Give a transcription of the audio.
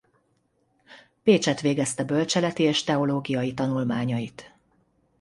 Pécsett végezte bölcseleti és teológiai tanulmányait.